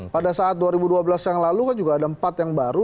pada saat dua ribu dua belas yang lalu kan juga ada empat yang baru